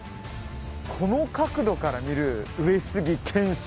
この角度から見る上杉謙信